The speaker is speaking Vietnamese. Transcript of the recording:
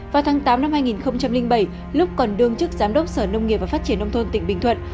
vào tháng tám năm hai nghìn bảy lúc còn đương chức giám đốc sở nông nghiệp và phát triển nông thôn tỉnh bình thuận